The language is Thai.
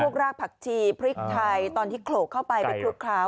รากผักชีพริกไทยตอนที่โขลกเข้าไปไปคลุกเคล้าว